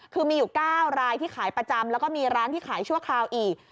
คือมีอยู่๙รายที่ขายประจำแล้วก็มีร้านที่ขายชั่วคราวอีก